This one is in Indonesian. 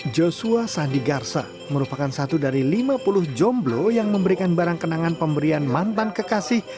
joshua sandigarsa merupakan satu dari lima puluh jomblo yang memberikan barang kenangan pemberian mantan kekasih